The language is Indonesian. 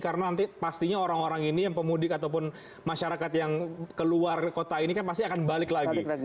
karena nanti pastinya orang orang ini yang pemudik ataupun masyarakat yang keluar kota ini kan pasti akan balik lagi